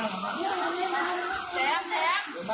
แซมแซมแซม